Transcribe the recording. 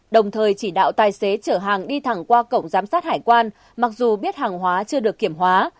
đồng thời chỉ đạo tài xế chở hàng đi thẳng qua cổng giám sát hải quan mặc dù biết hàng hóa chưa được kiểm hóa